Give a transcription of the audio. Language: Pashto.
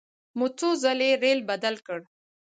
مو څو ځلې ریل بدل کړ.